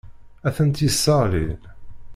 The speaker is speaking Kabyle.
Ad tent-yesseɣli.